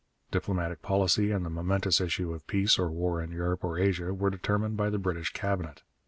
Diplomatic policy and the momentous issue of peace or war in Europe or Asia were determined by the British Cabinet.